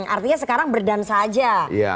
artinya sekarang berdansa aja